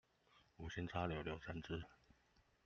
無心插柳柳橙汁